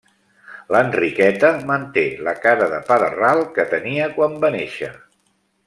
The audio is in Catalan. L'Enriqueta manté la cara de pa de ral que tenia quan va néixer.